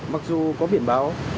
mặc dù có biển báo